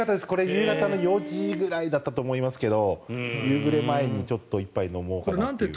夕方の４時ぐらいだったと思いますが夕暮れ前にちょっと１杯飲もうかなという。